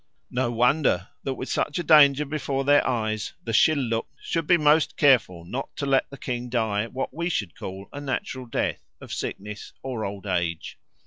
No wonder, that with such a danger before their eyes the Shilluk should be most careful not to let the king die what we should call a natural death of sickness or old age.